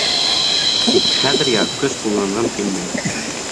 Тик хәҙергә көс ҡулланғым килмәй.